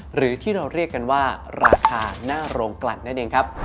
หรือที่เราเรียกกันว่าราคาหน้าโรงกลั่นนั่นเองครับ